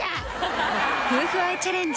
夫婦愛チャレンジ